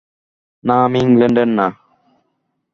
না আমি ইংল্যান্ডের না।